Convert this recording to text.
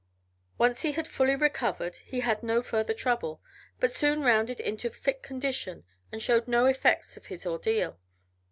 Once he had fully recovered he had no further trouble, but soon rounded into fit condition and showed no effects of his ordeal.